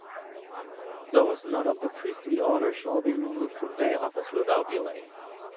Those not of the priestly order shall be removed from office without delay.